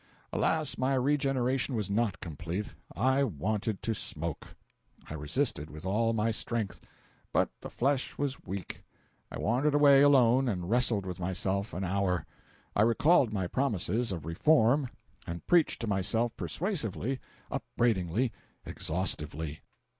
Alas, my regeneration was not complete—I wanted to smoke! I resisted with all my strength, but the flesh was weak. I wandered away alone and wrestled with myself an hour. I recalled my promises of reform and preached to myself persuasively, upbraidingly, exhaustively.